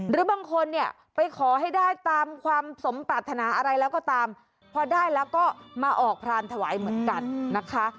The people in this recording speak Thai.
หรือบางคนเนี่ยไปขอให้ได้ตามความสมปรารถนาอะไรแล้วก็ตามพอได้แล้วก็มาออกพรานถวายเหมือนกันนะคะ